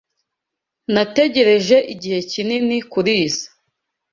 Nategereje igihe kinini kurizoi.